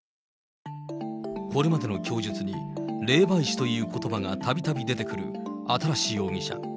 これまでの供述に霊媒師ということばがたびたび出てくる新容疑者。